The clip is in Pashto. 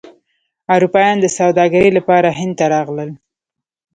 اروپایان د سوداګرۍ لپاره هند ته راغلل.